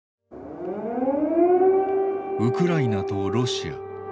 ウクライナとロシア。